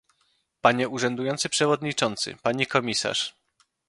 Panie urzędujący przewodniczący, pani komisarz